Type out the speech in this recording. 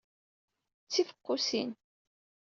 D tifeqqusin.